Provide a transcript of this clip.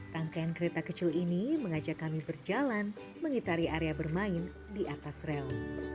rangkaian kereta kecil ini mengajak kami berjalan mengitari area bermain di atas rel